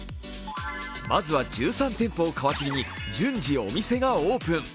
まずは１３店舗を皮切りに順次、お店がオープン。